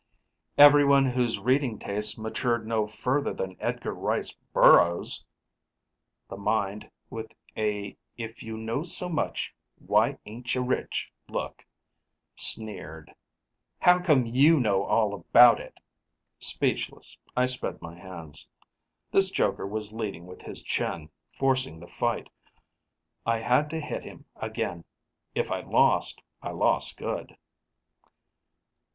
"Everyone whose reading tastes matured no further than Edgar Rice Burroughs!" The Mind, with a if you know so much why aintcha rich look, sneered, "How come you know all about it?" Speechless, I spread my hands. This joker was leading with his chin, forcing the fight. I had to hit him again; if I lost, I lost good.